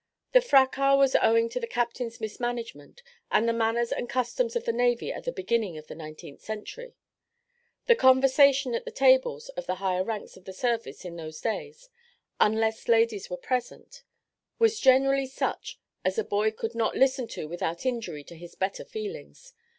The fracas was owing to the captain's mismanagement, and the manners and customs of the navy at the beginning of the nineteenth century. The conversation at the tables of the higher ranks of the service in those days, unless ladies were present, was generally such as a boy could not listen to without injury to his better feelings.